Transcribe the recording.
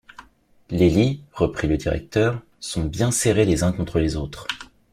Les lits, reprit le directeur, sont bien serrés les uns contre les autres.